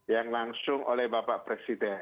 yang langsung oleh bapak presiden